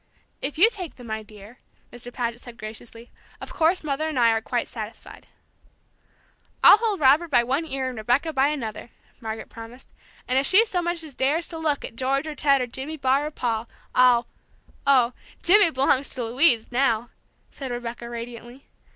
"If you take them, my dear," Mr. Paget said graciously, "of course Mother and I are quite satisfied." "I'll hold Robert by one ear and Rebecca by another," Margaret promised; "and if she so much as dares to look at George or Ted or Jimmy Barr or Paul, I'll " "Oh, Jimmy belongs to Louise, now," said Rebecca, radiantly.